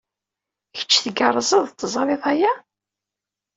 Kečč tgerrzeḍ, teẓriḍ aya?